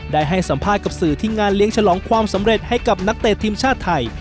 ได้ให้สัมภาษณ์กับสื่อที่งานเลี้ยงฉลองความสำเร็จให้กับนักเตะทีมชาติไทย